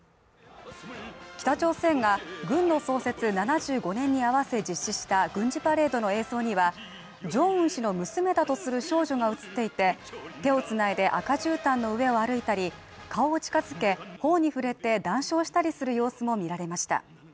北朝鮮が軍の創設７５年に合わせ実施した軍事パレードの映像にはジョンウン氏の娘だとする少女が写っていて手をつないで赤じゅうたんの上を歩いたり顔を近づけ頬に触れて談笑したりする様子も見られました